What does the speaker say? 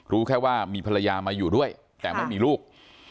รู้แค่ว่ามีภรรยามาอยู่ด้วยแต่ไม่มีลูก